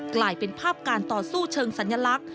กลายเป็นภาพการต่อสู้เชิงสัญลักษณ